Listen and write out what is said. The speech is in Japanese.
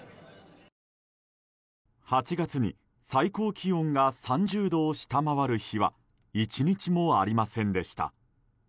８月に最高気温が３０度を下回る日は１日もありませんでした。